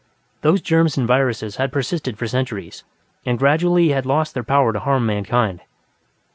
Those germs and viruses had persisted for centuries, and gradually had lost their power to harm mankind.